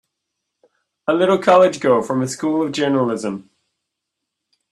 A little college girl from a School of Journalism!